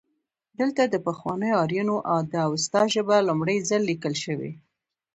دلته د پخوانیو آرینو د اوستا ژبه لومړی ځل لیکل شوې